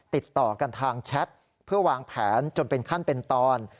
ติดต่อกันทางแชทเพื่อวางแผนจนเป็นขั้นเป็นตอน